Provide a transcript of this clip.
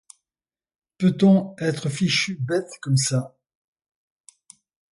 Peut-on être fichue bête comme ça!